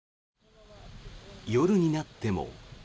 夜になっても。